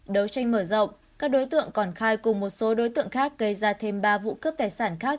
đấu tranh mở rộng các đối tượng còn khai cùng một số đối tượng khác gây ra thêm ba vụ cướp tài sản khác